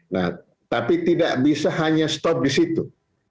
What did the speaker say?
nah tapi tidak bisa hanya stop di situ